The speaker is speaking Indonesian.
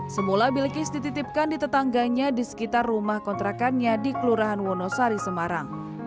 semula bilkis dititipkan di tetangganya di sekitar rumah kontrakannya di kelurahan wonosari semarang